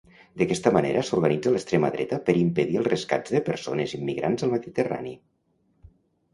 D'aquesta manera s'organitza l'extrema dreta per impedir els rescats de persones immigrants al Mediterrani.